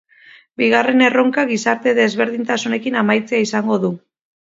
Bigarren erronka gizarte desberdintasunarekin amaitzea izango du.